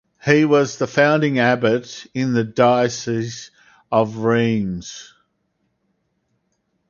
He was the founding abbot of the in the Diocese of Rheims.